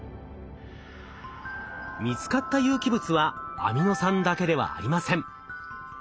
見つかった有機物はアミノ酸だけではありません。